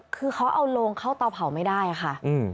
คือเขาเอาโลงเข้าเตาเผาไม่ได้ค่ะ